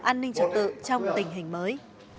an ninh trọng tự trong tình hình mới